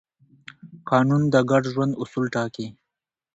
قانون د ګډ ژوند اصول ټاکي.